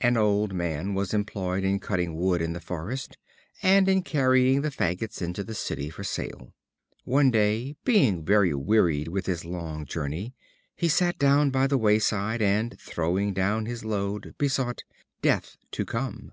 An old man was employed in cutting wood in the forest, and, in carrying the fagots into the city for sale. One day, being very wearied with his long journey, he sat down by the wayside, and, throwing down his load, besought "Death" to come.